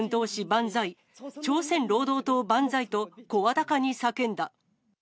万歳、朝鮮労働党万歳と、声高に叫んだ。